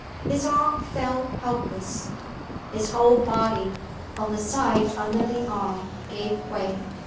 His arm fell helpless; his whole body, on the side under the arm, gave way.